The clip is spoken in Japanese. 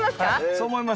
そう思います。